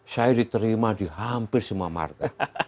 saya diterima di hampir semua markah